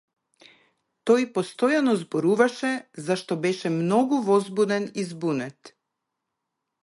Тој постојано зборуваше зашто беше многу возбуден и збунет.